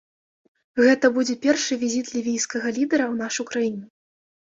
Гэта будзе першы візіт лівійскага лідэра ў нашу краіну.